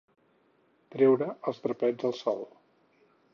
Treure els drapets al sol.